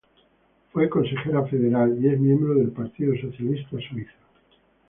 Fue consejera federal y es miembro del Partido Socialista Suizo.